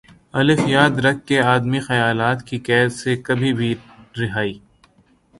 آ۔ یاد رکھ کہ آدمی خیالات کی قید سے کبھی بھی رہائ